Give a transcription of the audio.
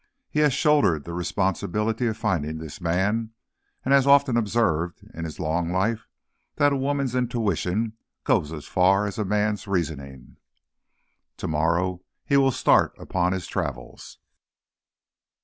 He has shouldered the responsibility of finding this man, and has often observed, in his long life, that a woman's intuitions go as far as a man's reasoning. To morrow he will start upon his travels.